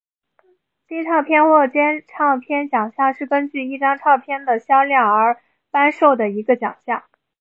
金唱片或金唱片奖项是根据一张唱片的销量而颁授的一个奖项。